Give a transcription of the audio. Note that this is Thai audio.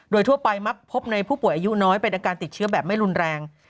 โดยทั่วไปมักพบในผู้ป่วยอายุน้อยเป็นอาการติดเชื้อแบบไม่รุนแรง